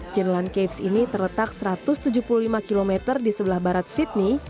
geneland caves ini terletak satu ratus tujuh puluh lima km di sebelah barat sydney